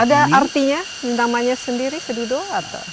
ada artinya namanya sendiri sedudo atau